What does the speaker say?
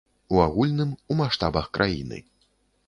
У агульным, у маштабах краіны.